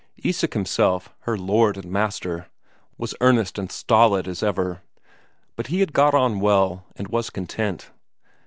Isak himself, her lord and master, was earnest and stolid as ever, but he had got on well, and was content.